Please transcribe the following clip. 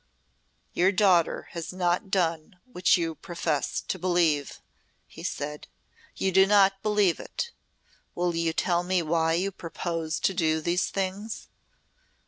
"Your daughter has not done what you profess to believe," he said. "You do not believe it. Will you tell me why you propose to do these things?"